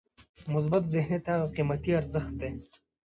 مثبت ذهنیت هغه قیمتي ارزښت دی.